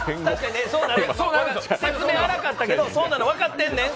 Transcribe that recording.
説明粗かったけど、そんなの分かってんねん。